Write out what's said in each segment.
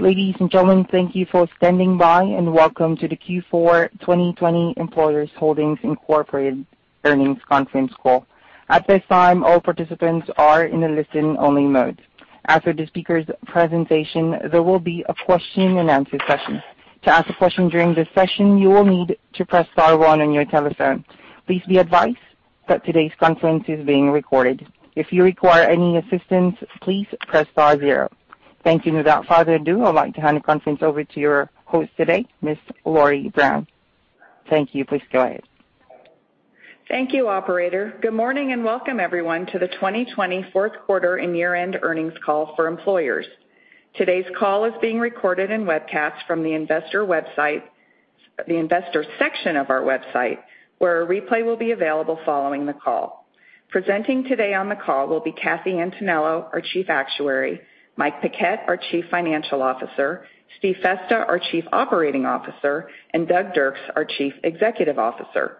Ladies and gentlemen, thank you for standing by, and welcome to the Q4 2020 Employers Holdings, Inc. earnings conference call. At this time, all participants are in a listen-only mode. After the speakers' presentation, there will be a question-and-answer session. To ask a question during this session, you will need to press star one on your telephone. Please be advised that today's conference is being recorded. If you require any assistance, please press star zero. Thank you. Without further ado, I'd like to hand the conference over to your host today, Ms. Lori Brown. Thank you. Please go ahead. Thank you, operator. Good morning, and welcome everyone to the 2020 fourth quarter and year-end earnings call for Employers. Today's call is being recorded and webcast from the investor section of our website, where a replay will be available following the call. Presenting today on the call will be Cathy Antonello, our Chief Actuary, Mike Paquette, our Chief Financial Officer, Steve Festa, our Chief Operating Officer, and Doug Dirks, our Chief Executive Officer.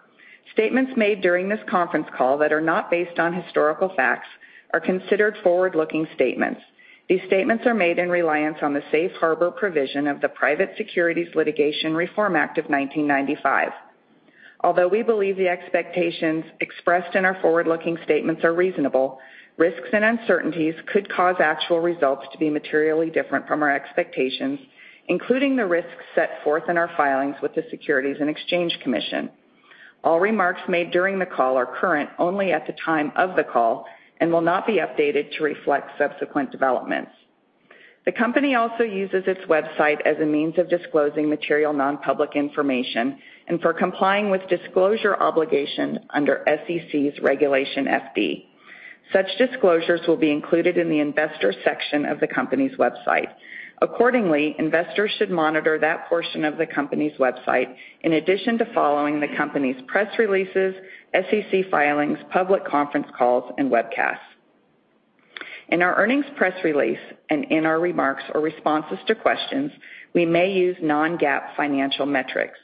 Statements made during this conference call that are not based on historical facts are considered forward-looking statements. These statements are made in reliance on the safe harbor provision of the Private Securities Litigation Reform Act of 1995. Although we believe the expectations expressed in our forward-looking statements are reasonable, risks and uncertainties could cause actual results to be materially different from our expectations, including the risks set forth in our filings with the Securities and Exchange Commission. All remarks made during the call are current only at the time of the call and will not be updated to reflect subsequent developments. The company also uses its website as a means of disclosing material non-public information and for complying with disclosure obligations under SEC's Regulation FD. Such disclosures will be included in the investor section of the company's website. Accordingly, investors should monitor that portion of the company's website in addition to following the company's press releases, SEC filings, public conference calls, and webcasts. In our earnings press release and in our remarks or responses to questions, we may use non-GAAP financial metrics.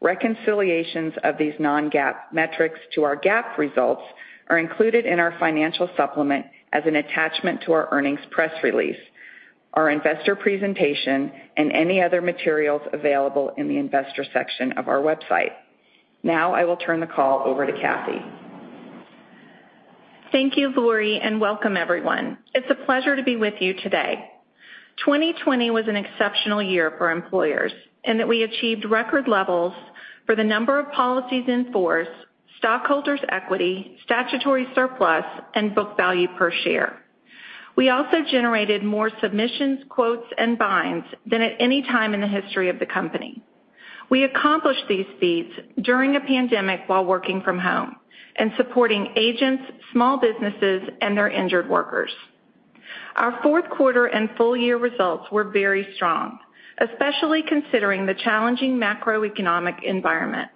Reconciliations of these non-GAAP metrics to our GAAP results are included in our financial supplement as an attachment to our earnings press release, our investor presentation, and any other materials available in the investor section of our website. I will turn the call over to Cathy. Thank you, Lori, and welcome everyone. It's a pleasure to be with you today. 2020 was an exceptional year for Employers in that we achieved record levels for the number of policies in force, stockholders' equity, statutory surplus, and book value per share. We also generated more submissions, quotes, and binds than at any time in the history of the company. We accomplished these feats during a pandemic while working from home and supporting agents, small businesses, and their injured workers. Our fourth quarter and full-year results were very strong, especially considering the challenging macroeconomic environment.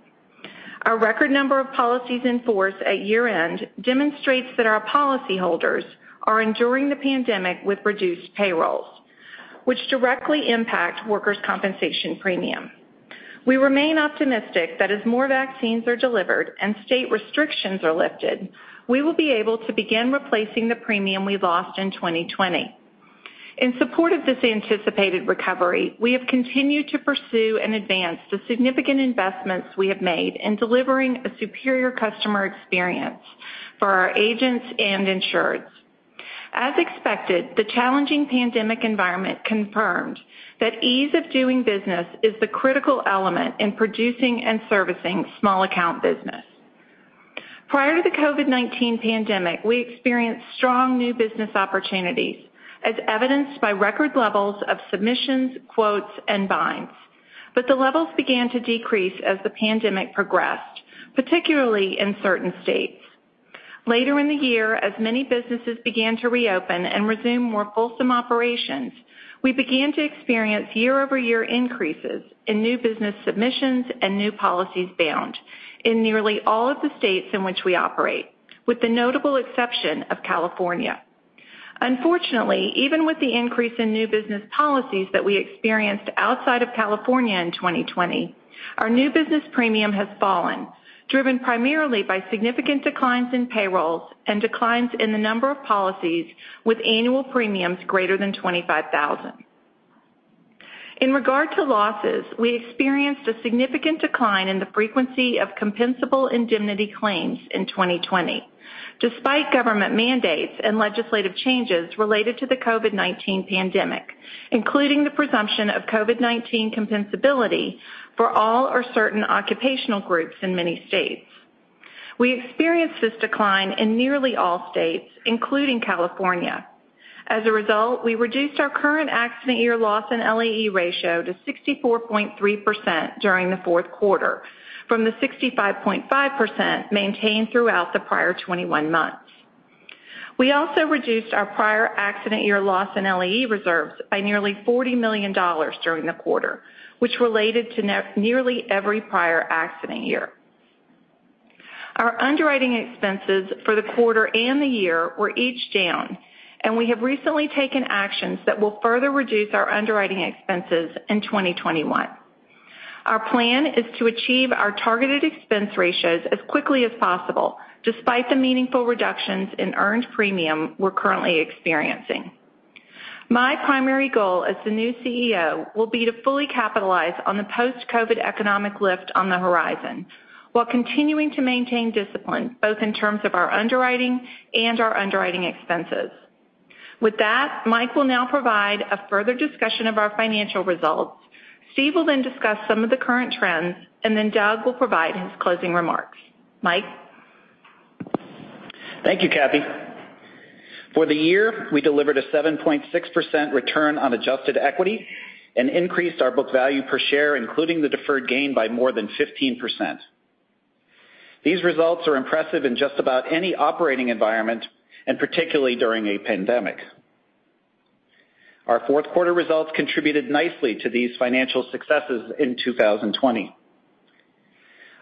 Our record number of policies in force at year-end demonstrates that our policyholders are enduring the pandemic with reduced payrolls, which directly impact workers' compensation premium. We remain optimistic that as more vaccines are delivered and state restrictions are lifted, we will be able to begin replacing the premium we lost in 2020. In support of this anticipated recovery, we have continued to pursue and advance the significant investments we have made in delivering a superior customer experience for our agents and insureds. As expected, the challenging pandemic environment confirmed that ease of doing business is the critical element in producing and servicing small account business. Prior to the COVID-19 pandemic, we experienced strong new business opportunities, as evidenced by record levels of submissions, quotes, and binds. The levels began to decrease as the pandemic progressed, particularly in certain states. Later in the year, as many businesses began to reopen and resume more fulsome operations, we began to experience year-over-year increases in new business submissions and new policies bound in nearly all of the states in which we operate, with the notable exception of California. Unfortunately, even with the increase in new business policies that we experienced outside of California in 2020, our new business premium has fallen, driven primarily by significant declines in payrolls and declines in the number of policies with annual premiums greater than 25,000. In regard to losses, we experienced a significant decline in the frequency of compensable indemnity claims in 2020, despite government mandates and legislative changes related to the COVID-19 pandemic, including the presumption of COVID-19 compensability for all or certain occupational groups in many states. We experienced this decline in nearly all states, including California. As a result, we reduced our current accident year loss and LAE ratio to 64.3% during the fourth quarter from the 65.5% maintained throughout the prior 21 months. We also reduced our prior accident year loss and LAE reserves by nearly $40 million during the quarter, which related to nearly every prior accident year. Our underwriting expenses for the quarter and the year were each down, and we have recently taken actions that will further reduce our underwriting expenses in 2021. Our plan is to achieve our targeted expense ratios as quickly as possible, despite the meaningful reductions in earned premium we're currently experiencing. My primary goal as the new CEO will be to fully capitalize on the post-COVID economic lift on the horizon while continuing to maintain discipline, both in terms of our underwriting and our underwriting expenses. With that, Mike will now provide a further discussion of our financial results. Steve will then discuss some of the current trends, and Doug will provide his closing remarks. Mike? Thank you, Cathy. For the year, we delivered a 7.6% return on adjusted equity and increased our book value per share, including the deferred gain by more than 15%. These results are impressive in just about any operating environment and particularly during a pandemic. Our fourth quarter results contributed nicely to these financial successes in 2020.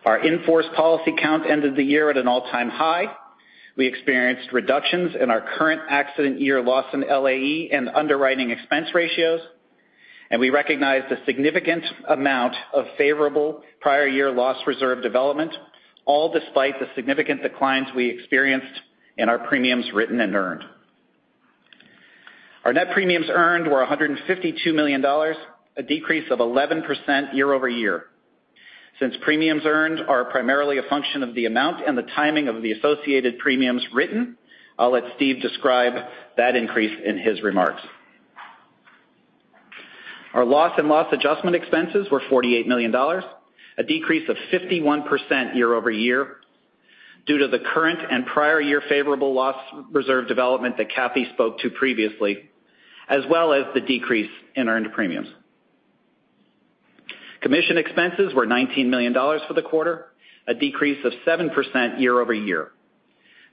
Our in-force policy count ended the year at an all-time high. We experienced reductions in our current accident year loss and LAE and underwriting expense ratios, and we recognized a significant amount of favorable prior year loss reserve development, all despite the significant declines we experienced in our premiums written and earned. Our net premiums earned were $152 million, a decrease of 11% year-over-year. Since premiums earned are primarily a function of the amount and the timing of the associated premiums written, I'll let Steve describe that increase in his remarks. Our loss and loss adjustment expenses were $48 million, a decrease of 51% year-over-year due to the current and prior year favorable loss reserve development that Cathy spoke to previously, as well as the decrease in earned premiums. Commission expenses were $19 million for the quarter, a decrease of 7% year-over-year.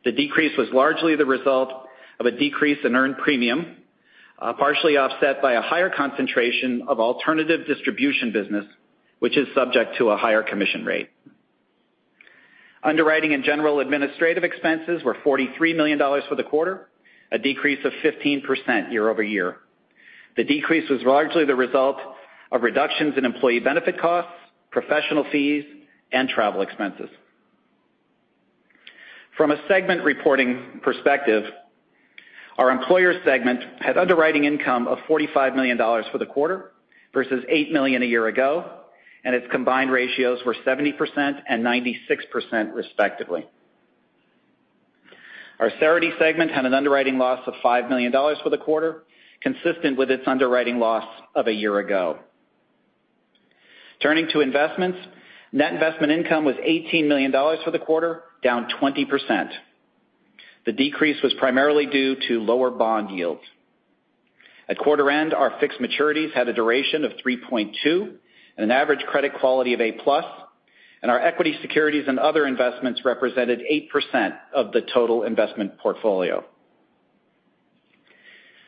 The decrease was largely the result of a decrease in earned premium, partially offset by a higher concentration of alternative distribution business, which is subject to a higher commission rate. Underwriting and general administrative expenses were $43 million for the quarter, a decrease of 15% year-over-year. The decrease was largely the result of reductions in employee benefit costs, professional fees, and travel expenses. From a segment reporting perspective, our Employers segment had underwriting income of $45 million for the quarter versus $8 million a year ago, and its combined ratio were 70% and 96% respectively. Our Cerity segment had an underwriting loss of $5 million for the quarter, consistent with its underwriting loss of a year ago. Turning to investments, net investment income was $18 million for the quarter, down 20%. The decrease was primarily due to lower bond yields. At quarter end, our fixed maturities had a duration of 3.2 and an average credit quality of A+, and our equity securities and other investments represented 8% of the total investment portfolio.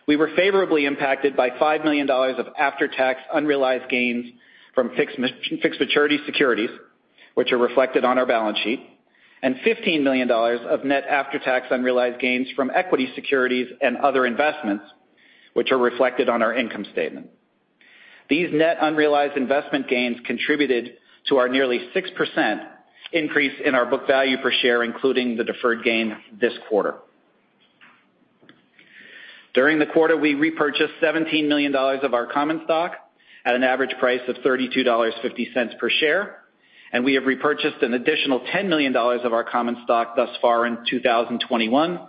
We were favorably impacted by $5 million of after-tax unrealized gains from fixed maturity securities, which are reflected on our balance sheet, and $15 million of net after-tax unrealized gains from equity securities and other investments, which are reflected on our income statement. These net unrealized investment gains contributed to our nearly 6% increase in our book value per share, including the deferred gain this quarter. During the quarter, we repurchased $17 million of our common stock at an average price of $32.50 per share, and we have repurchased an additional $10 million of our common stock thus far in 2021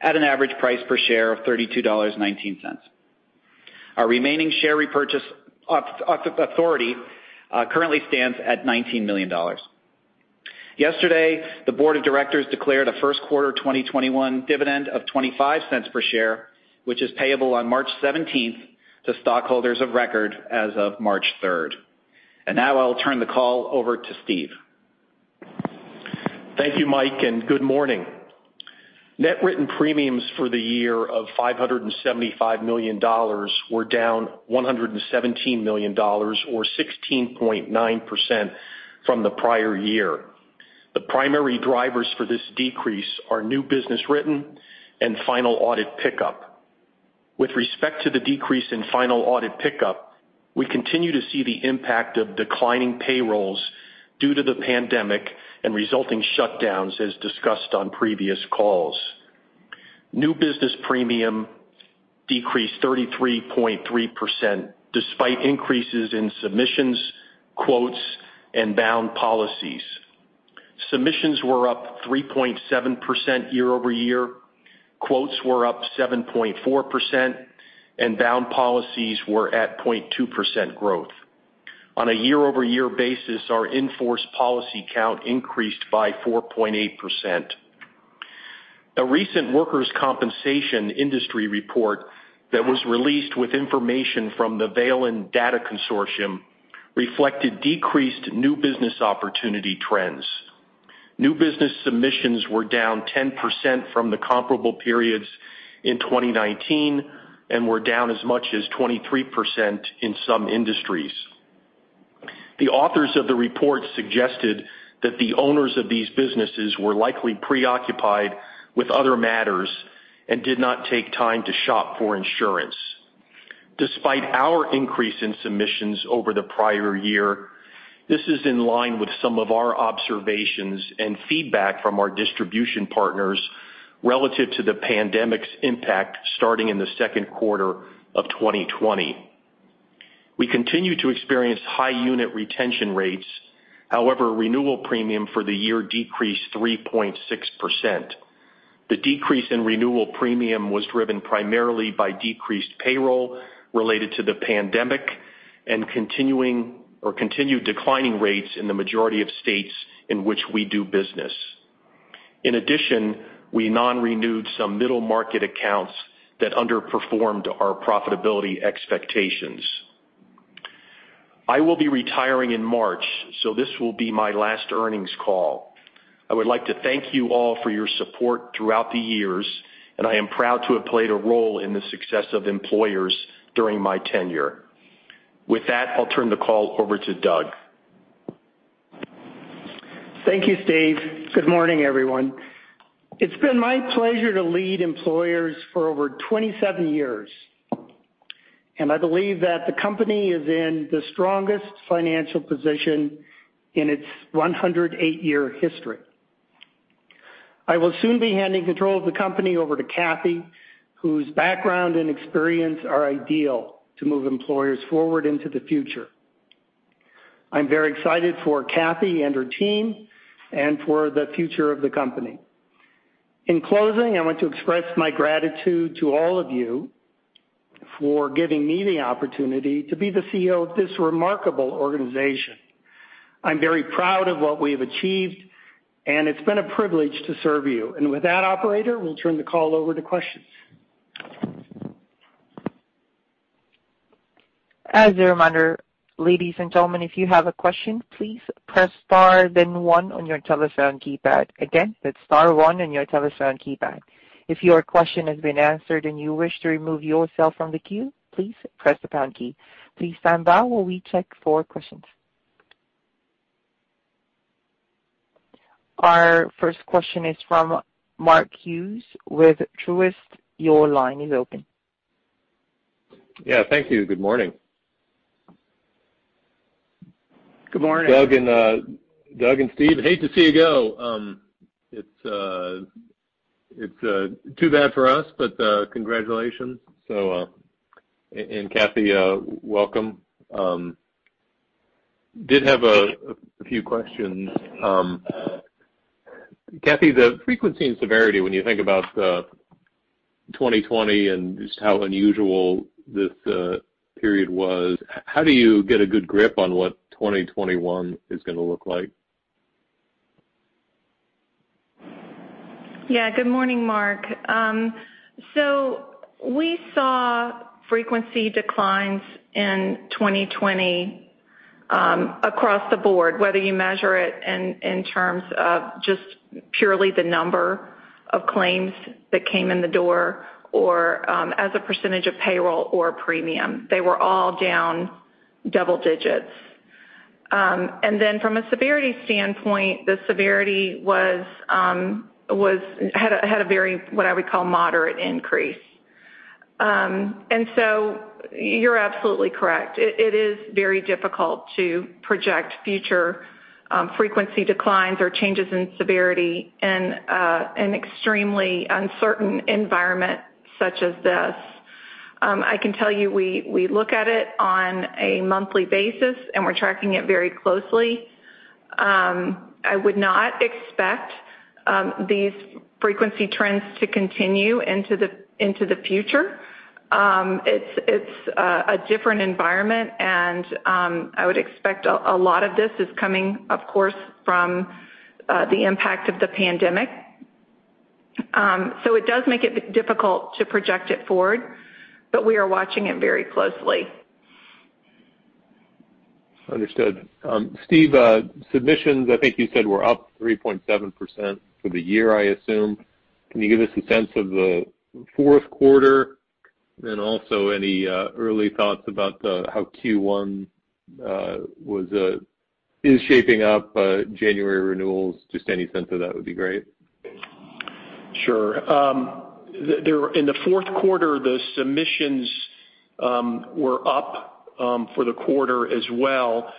at an average price per share of $32.19. Our remaining share repurchase authority currently stands at $19 million. Yesterday, the board of directors declared a first quarter 2021 dividend of $0.25 per share, which is payable on March 17th to stockholders of record as of March 3rd. Now I'll turn the call over to Steve. Thank you, Mike, and good morning. Net written premiums for the year of $575 million were down $117 million or 16.9% from the prior year. The primary drivers for this decrease are new business written and final audit pickup. With respect to the decrease in final audit pickup, we continue to see the impact of declining payrolls due to the pandemic and resulting shutdowns, as discussed on previous calls. New business premium decreased 33.3%, despite increases in submissions, quotes, and bound policies. Submissions were up 3.7% year-over-year, quotes were up 7.4%, and bound policies were at 0.2% growth. On a year-over-year basis, our in-force policy count increased by 4.8%. A recent workers' compensation industry report that was released with information from the Valen Data Consortium reflected decreased new business opportunity trends. New business submissions were down 10% from the comparable periods in 2019 and were down as much as 23% in some industries. The authors of the report suggested that the owners of these businesses were likely preoccupied with other matters And did not take time to shop for insurance. Despite our increase in submissions over the prior year, this is in line with some of our observations and feedback from our distribution partners relative to the pandemic's impact starting in the second quarter of 2020. We continue to experience high unit retention rates. However, renewal premium for the year decreased 3.6%. The decrease in renewal premium was driven primarily by decreased payroll related to the pandemic and continued declining rates in the majority of states in which we do business. In addition, we non-renewed some middle-market accounts that underperformed our profitability expectations. I will be retiring in March, so this will be my last earnings call. I would like to thank you all for your support throughout the years, and I am proud to have played a role in the success of Employers during my tenure. With that, I'll turn the call over to Doug. Thank you, Steve. Good morning, everyone. It's been my pleasure to lead Employers for over 27 years, I believe that the company is in the strongest financial position in its 108-year history. I will soon be handing control of the company over to Cathy, whose background and experience are ideal to move Employers forward into the future. I'm very excited for Cathy and her team and for the future of the company. In closing, I want to express my gratitude to all of you for giving me the opportunity to be the CEO of this remarkable organization. I'm very proud of what we've achieved, it's been a privilege to serve you. With that operator, we'll turn the call over to questions. As a reminder, ladies and gentlemen, if you have a question, please press star then one on your telephone keypad. Again, that's star one on your telephone keypad. If your question has been answered and you wish to remove yourself from the queue, please press the pound key. Please stand by while we check for questions. Our first question is from Mark Hughes with Truist. Your line is open. Thank you. Good morning. Good morning. Doug and Steve, hate to see you go. It is too bad for us, but congratulations. Cathy, welcome. Did have a few questions. Cathy, the frequency and severity when you think about 2020 and just how unusual this period was, how do you get a good grip on what 2021 is going to look like? Good morning, Mark. We saw frequency declines in 2020 across the board, whether you measure it in terms of just purely the number of claims that came in the door or as a percentage of payroll or premium. They were all down double digits. From a severity standpoint, the severity had a very, what I would call moderate increase. You are absolutely correct. It is very difficult to project future frequency declines or changes in severity in an extremely uncertain environment such as this. I can tell you, we look at it on a monthly basis, and we are tracking it very closely. I would not expect these frequency trends to continue into the future. It is a different environment, and I would expect a lot of this is coming, of course, from the impact of the pandemic. It does make it difficult to project it forward, but we are watching it very closely. Understood. Steve, submissions, I think you said were up 3.7% for the year, I assume. Can you give us a sense of the fourth quarter and also any early thoughts about how Q1 is shaping up? January renewals, just any sense of that would be great. Sure. In the fourth quarter, the submissions were up for the quarter as well.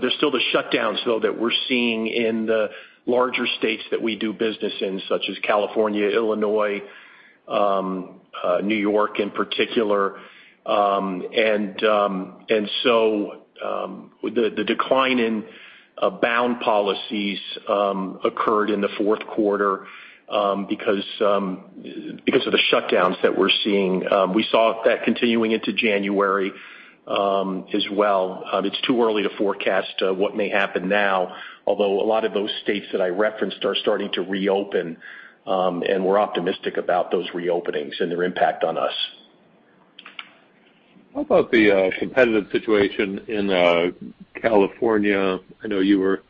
There's still the shutdowns, though, that we're seeing in the larger states that we do business in, such as California, Illinois, New York in particular. The decline in bound policies occurred in the fourth quarter because of the shutdowns that we're seeing. We saw that continuing into January as well. It's too early to forecast what may happen now, although a lot of those states that I referenced are starting to reopen, and we're optimistic about those reopenings and their impact on us. How about the competitive situation in California? I know you were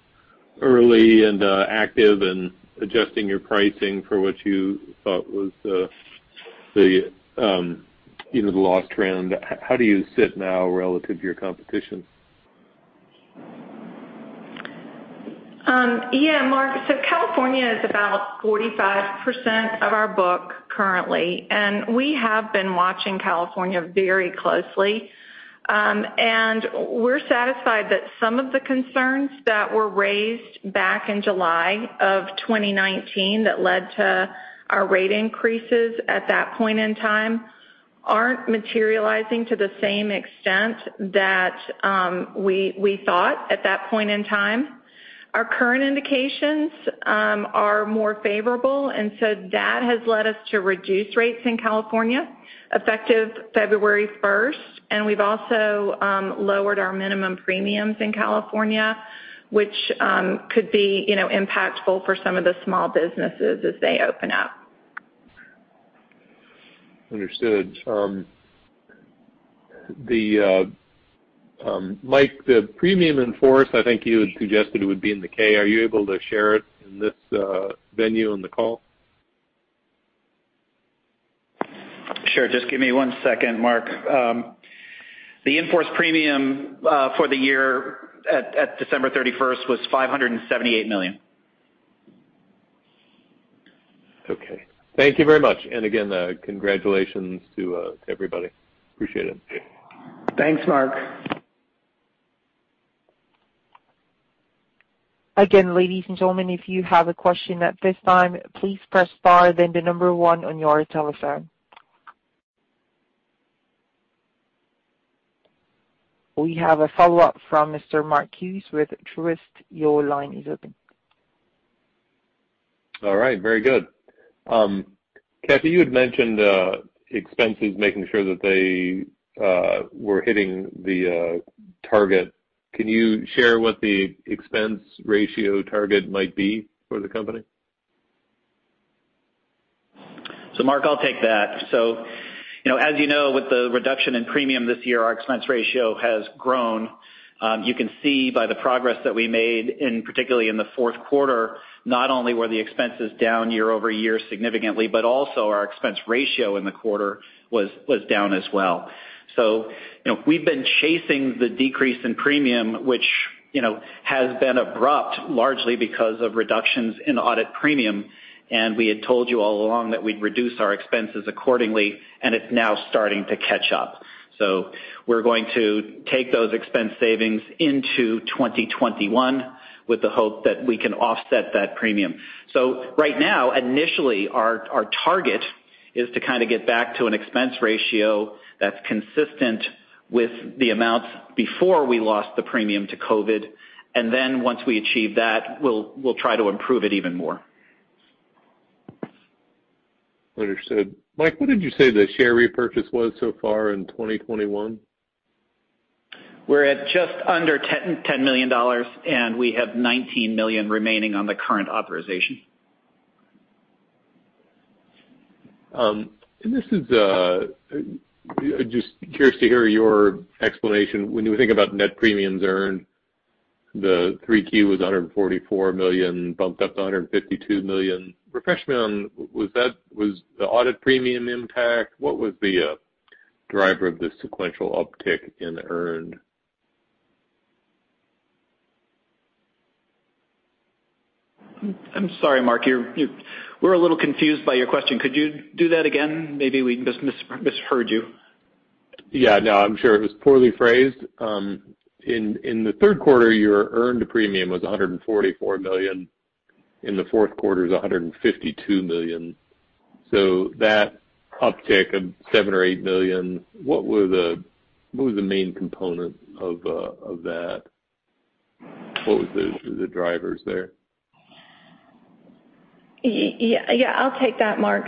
early and active in adjusting your pricing for The loss trend, how do you sit now relative to your competition? Yeah, Mark. California is about 45% of our book currently, and we have been watching California very closely. We're satisfied that some of the concerns that were raised back in July of 2019 that led to our rate increases at that point in time aren't materializing to the same extent that we thought at that point in time. Our current indications are more favorable, and that has led us to reduce rates in California effective February 1st. We've also lowered our minimum premiums in California, which could be impactful for some of the small businesses as they open up. Understood. Mike, the premium in force, I think you had suggested it would be in the K. Are you able to share it in this venue on the call? Sure. Just give me one second, Mark. The in-force premium for the year at December 31st was $578 million. Okay. Thank you very much. Again, congratulations to everybody. Appreciate it. Thanks, Mark. Again, ladies and gentlemen, if you have a question at this time, please press star then the number one on your telephone. We have a follow-up from Mr. Mark Hughes with Truist. Your line is open. All right, very good. Cathy, you had mentioned expenses, making sure that they were hitting the target. Can you share what the expense ratio target might be for the company? Mark, I'll take that. As you know, with the reduction in premium this year, our expense ratio has grown. You can see by the progress that we made particularly in the fourth quarter, not only were the expenses down year-over-year significantly, but also our expense ratio in the quarter was down as well. We've been chasing the decrease in premium, which has been abrupt largely because of reductions in audit premium, we had told you all along that we'd reduce our expenses accordingly, it's now starting to catch up. We're going to take those expense savings into 2021 with the hope that we can offset that premium. Right now, initially, our target is to kind of get back to an expense ratio that's consistent with the amounts before we lost the premium to COVID. Once we achieve that, we'll try to improve it even more. Understood. Mike, what did you say the share repurchase was so far in 2021? We're at just under $10 million. We have $19 million remaining on the current authorization. Just curious to hear your explanation. When you think about net premiums earned, the 3Q was $144 million, bumped up to $152 million. Refresh me on, was the audit premium impact? What was the driver of the sequential uptick in earned? I'm sorry, Mark, we're a little confused by your question. Could you do that again? Maybe we just misheard you. Yeah. No, I'm sure it was poorly phrased. In the third quarter, your earned premium was $144 million. In the fourth quarter, it was $152 million. That uptick of $7 or $8 million, what was the main component of that? What was the drivers there? Yeah, I'll take that, Mark.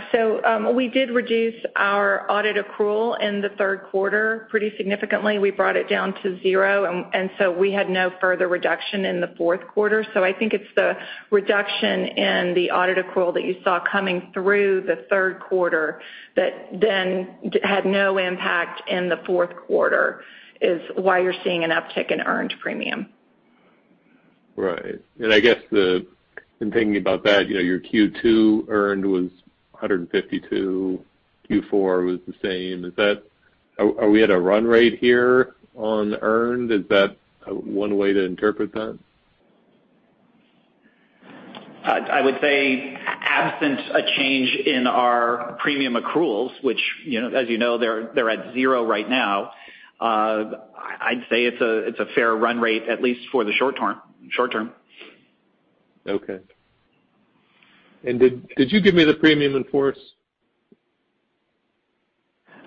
We did reduce our audit accrual in the third quarter pretty significantly. We brought it down to zero, and so we had no further reduction in the fourth quarter. I think it's the reduction in the audit accrual that you saw coming through the third quarter that then had no impact in the fourth quarter is why you're seeing an uptick in earned premium. Right. I guess in thinking about that, your Q2 earned was $152, Q4 was the same. Are we at a run rate here on earned? Is that one way to interpret that? I would say absent a change in our premium accruals, which as you know, they're at zero right now, I'd say it's a fair run rate, at least for the short term. Okay. Did you give me the premium in force?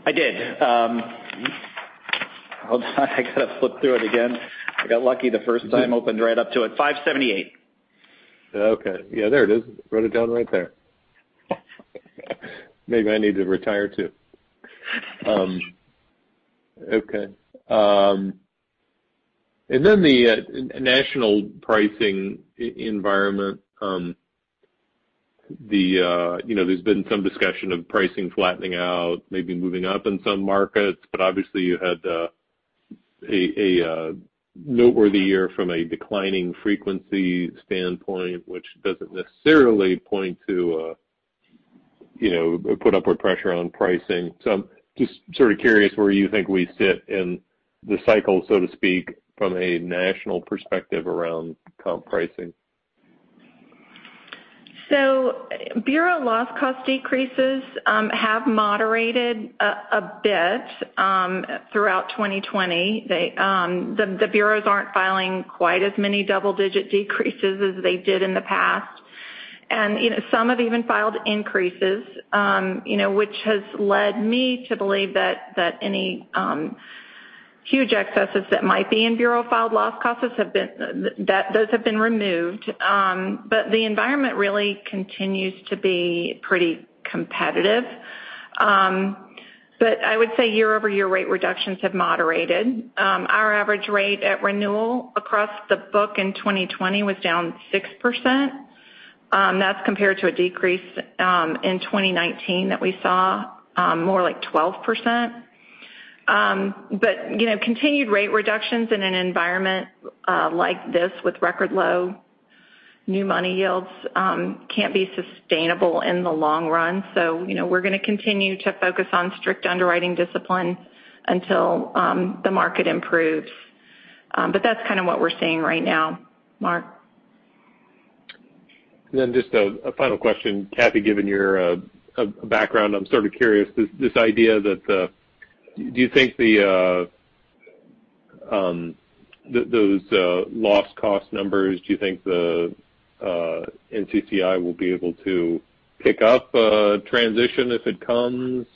I did. Hold on. I got to flip through it again. I got lucky the first time, opened right up to it. $578. The national pricing environment. There's been some discussion of pricing flattening out, maybe moving up in some markets, but obviously you had a noteworthy year from a declining frequency standpoint, which doesn't necessarily put upward pressure on pricing. I'm just sort of curious where you think we sit in the cycle, so to speak, from a national perspective around comp pricing. Bureau loss cost decreases have moderated a bit throughout 2020. The bureaus aren't filing quite as many double-digit decreases as they did in the past, and some have even filed increases, which has led me to believe that any huge excesses that might be in bureau filed loss costs, those have been removed. The environment really continues to be pretty competitive. I would say year-over-year rate reductions have moderated. Our average rate at renewal across the book in 2020 was down 6%. That's compared to a decrease in 2019 that we saw more like 12%. Continued rate reductions in an environment like this with record low new money yields can't be sustainable in the long run. We're going to continue to focus on strict underwriting discipline until the market improves. That's kind of what we're seeing right now, Mark. Just a final question. Cathy, given your background, I'm sort of curious, this idea that, do you think those loss cost numbers, do you think the NCCI will be able to pick up a transition if it comes?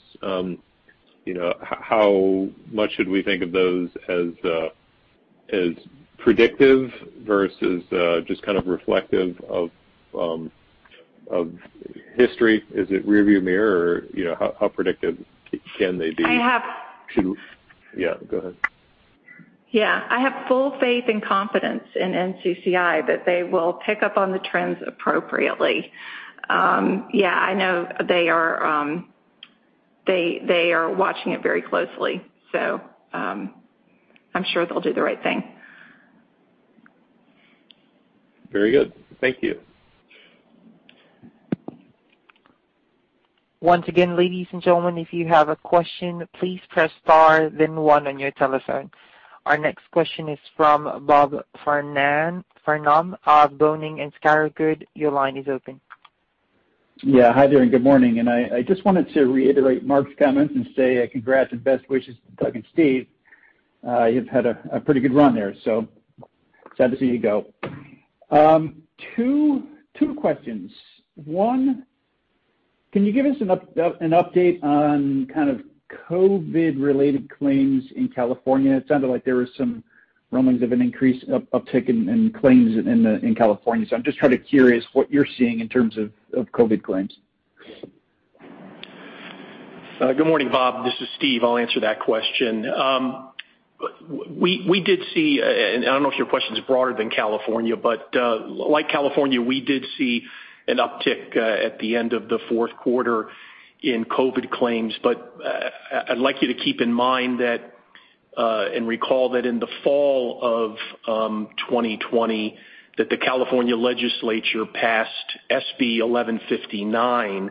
How much should we think of those as predictive versus just kind of reflective of history? Is it rearview mirror? How predictive can they be to I have- Yeah, go ahead. Yeah. I have full faith and confidence in NCCI that they will pick up on the trends appropriately. Yeah, I know they are watching it very closely, so I'm sure they'll do the right thing. Very good. Thank you. Once again, ladies and gentlemen, if you have a question, please press star then one on your telephone. Our next question is from Bob Farnan, of Boenning & Scattergood. Your line is open. Yeah. Hi there, good morning. I just wanted to reiterate Mark's comments and say congrats and best wishes to Doug and Steve. You've had a pretty good run there, sad to see you go. Two questions. One, can you give us an update on kind of COVID-related claims in California? It sounded like there was some rumblings of an increase, uptick in claims in California. I'm just kind of curious what you're seeing in terms of COVID claims. Good morning, Bob. This is Steve. I'll answer that question. I don't know if your question is broader than California, but like California, we did see an uptick at the end of the fourth quarter in COVID claims. I'd like you to keep in mind that, and recall that in the fall of 2020, that the California legislature passed SB 1159,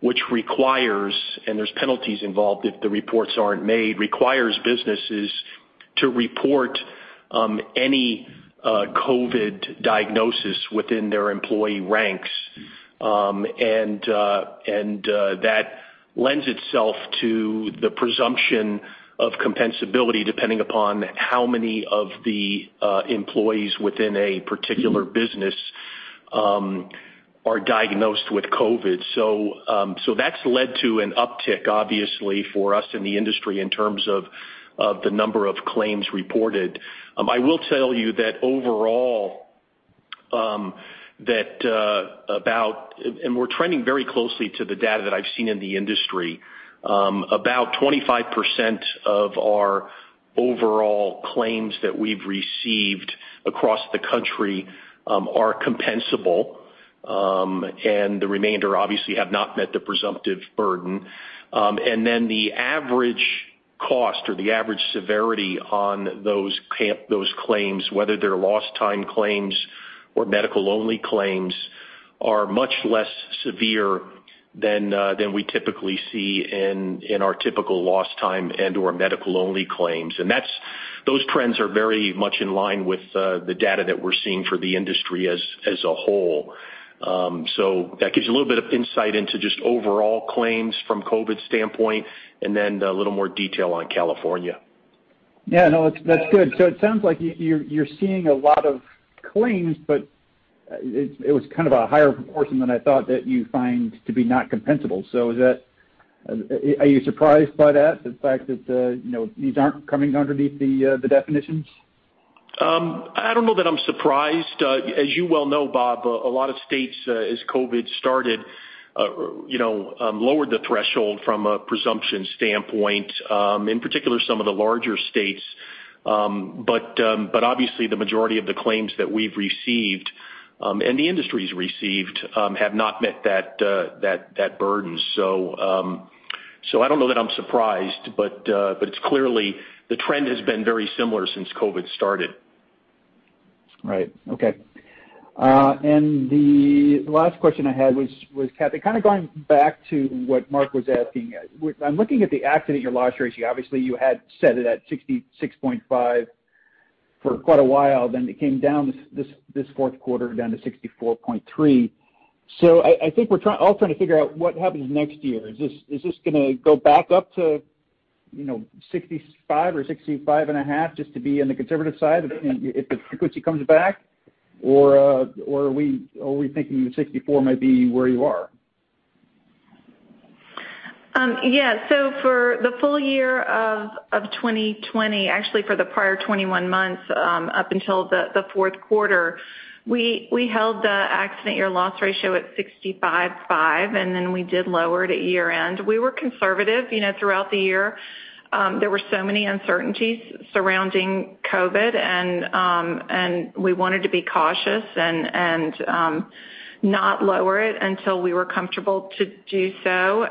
which requires, and there's penalties involved if the reports aren't made, requires businesses to report any COVID diagnosis within their employee ranks. That lends itself to the presumption of compensability, depending upon how many of the employees within a particular business are diagnosed with COVID. That's led to an uptick, obviously, for us in the industry in terms of the number of claims reported. I will tell you that overall, we're trending very closely to the data that I've seen in the industry, about 25% of our overall claims that we've received across the country are compensable. The remainder, obviously, have not met the presumptive burden. The average cost or the average severity on those claims, whether they're lost time claims or medical-only claims, are much less severe than we typically see in our typical lost time and/or medical-only claims. Those trends are very much in line with the data that we're seeing for the industry as a whole. That gives you a little bit of insight into just overall claims from COVID standpoint and then a little more detail on California. Yeah, no, that's good. It sounds like you're seeing a lot of claims, but it was kind of a higher proportion than I thought that you find to be not compensable. Are you surprised by that, the fact that these aren't coming underneath the definitions? I don't know that I'm surprised. As you well know, Bob, a lot of states, as COVID started lowered the threshold from a presumption standpoint, in particular, some of the larger states. Obviously the majority of the claims that we've received And the industry's received have not met that burden. I don't know that I'm surprised, but clearly, the trend has been very similar since COVID started. Right. Okay. The last question I had was, Cathy, kind of going back to what Mark was asking, I'm looking at the accident year loss ratio. Obviously, you had set it at 65.5 for quite a while, then it came down this fourth quarter, down to 64.3. I think we're all trying to figure out what happens next year. Is this going to go back up to 65 or 65.5 just to be on the conservative side if the frequency comes back? Are we thinking 64 might be where you are? Yeah. For the full year of 2020, actually for the prior 21 months, up until the fourth quarter, we held the accident year loss ratio at 65.5, and then we did lower it at year-end. We were conservative throughout the year. There were so many uncertainties surrounding COVID, and we wanted to be cautious and not lower it until we were comfortable to do so.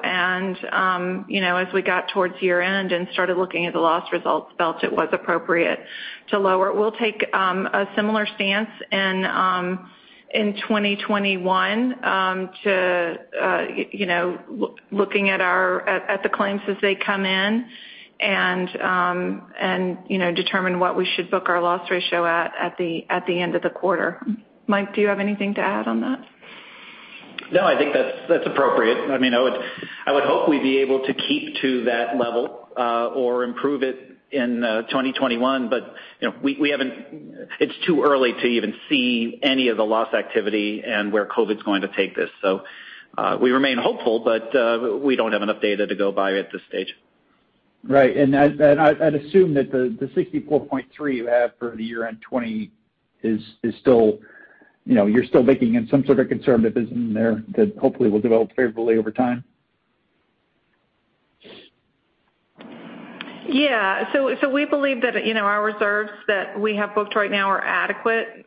As we got towards year-end and started looking at the loss results, felt it was appropriate to lower it. We'll take a similar stance in 2021 to looking at the claims as they come in and determine what we should book our loss ratio at the end of the quarter. Mike, do you have anything to add on that? I think that's appropriate. I would hope we'd be able to keep to that level, or improve it in 2021. It's too early to even see any of the loss activity and where COVID's going to take this. We remain hopeful, but we don't have enough data to go by at this stage. Right. I'd assume that the 64.3 you have for the year-end 2020, you're still baking in some sort of conservatism in there that hopefully will develop favorably over time? Yeah. We believe that our reserves that we have booked right now are adequate.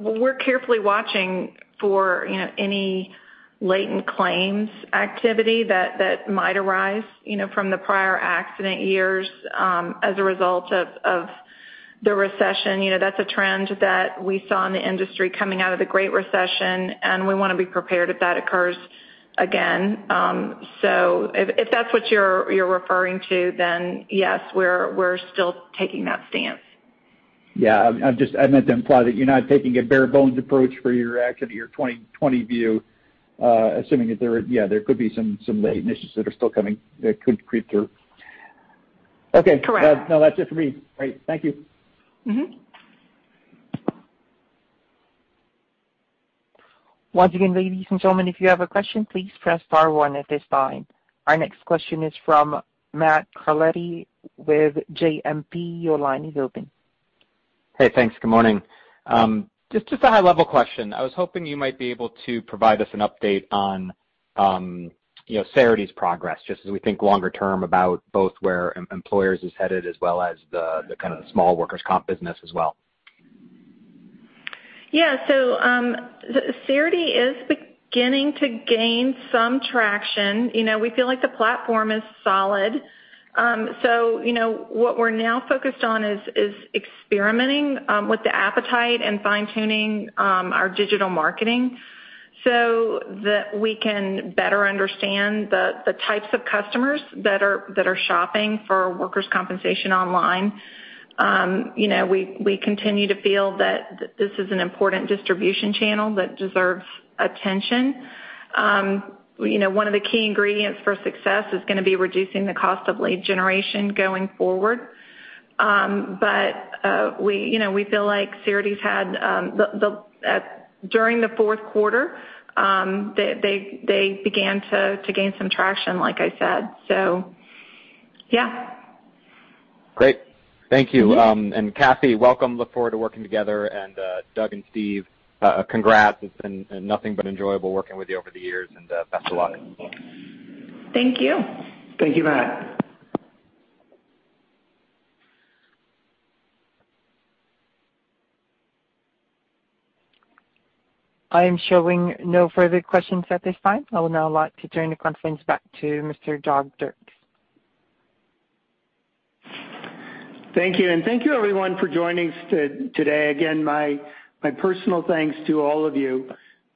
We're carefully watching for any latent claims activity that might arise from the prior accident years as a result of the recession. That's a trend that we saw in the industry coming out of the Great Recession, and we want to be prepared if that occurs again. If that's what you're referring to, then yes, we're still taking that stance. Yeah. I meant to imply that you're not taking a bare bones approach for your accident year 2020 view, assuming that there could be some latent issues that are still coming, that could creep through. Correct. Okay. No, that's it for me. Great. Thank you. Once again, ladies and gentlemen, if you have a question, please press star one at this time. Our next question is from Matt Carletti with JMP. Your line is open. Hey, thanks. Good morning. Just a high level question. I was hoping you might be able to provide us an update on Cerity's progress, just as we think longer term about both where Employers is headed as well as the kind of small workers' comp business as well. Yeah. Cerity is beginning to gain some traction. We feel like the platform is solid. What we're now focused on is experimenting with the appetite and fine-tuning our digital marketing so that we can better understand the types of customers that are shopping for workers' compensation online. We continue to feel that this is an important distribution channel that deserves attention. One of the key ingredients for success is going to be reducing the cost of lead generation going forward. We feel like Cerity's had, during the fourth quarter, they began to gain some traction, like I said. Yeah. Great. Thank you. Cathy, welcome. Look forward to working together. Doug and Steve, congrats. It's been nothing but enjoyable working with you over the years, and best of luck. Thank you. Thank you, Matt. I am showing no further questions at this time. I would now like to turn the conference back to Mr. Doug Dirks. Thank you, and thank you, everyone, for joining today. Again, my personal thanks to all of you.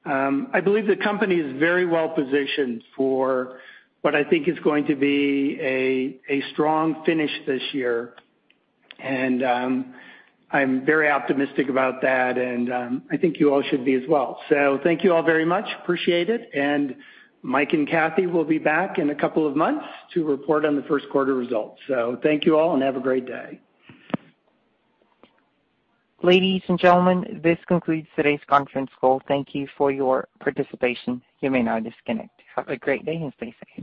I believe the company is very well positioned for what I think is going to be a strong finish this year, and I am very optimistic about that, and I think you all should be as well. Thank you all very much. Appreciate it, and Mike and Cathy will be back in a couple of months to report on the first quarter results. Thank you all, and have a great day. Ladies and gentlemen, this concludes today's conference call. Thank you for your participation. You may now disconnect. Have a great day and stay safe.